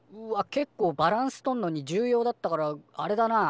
けっこうバランスとんのに重要だったからあれだな。